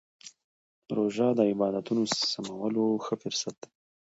روژه د عادتونو سمولو ښه فرصت دی.